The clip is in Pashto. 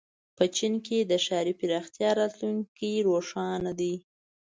په چین کې د ښاري پراختیا راتلونکې روښانه ده.